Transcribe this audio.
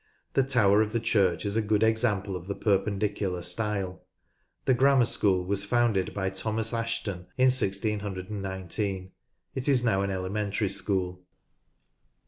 The tower of the church is a good example of the Perpendicular style. The Grammar School was founded by Thomas Assheton in 1619. It is now an elementary school, (pp.